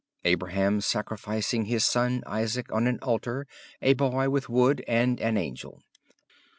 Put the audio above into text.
Abraham sacrificing his son, Isaac, on an altar, a boy with wood and an angel.